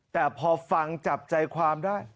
แต่พอฟังจับใจความได้